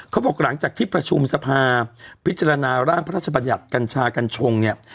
เขาบอกหลังจากที่ประชุมสภาพิจารณาร่างพระราชบัญญัติกัญชากัญชงเนี่ย